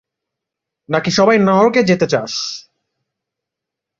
নাকি সবাই নরকে যেতে চাস!